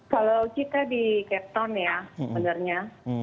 kalau kita di keton ya sebenarnya